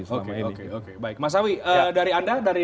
selama ini mas sawi dari anda dari